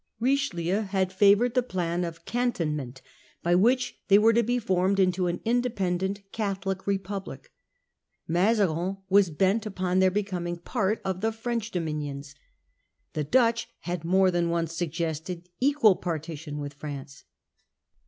Richelieu had favoured Three the plan of * cantonment,' by which they were plans for the t Q be formed into an independent catholic rc Countries, public ; Mazarin was bent upon their becoming part of the French dominions ; the Dutch had more than once suggested equal partition with France.